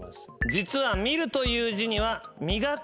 実は。